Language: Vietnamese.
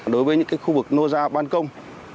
đối với những khu vực nô ra băn công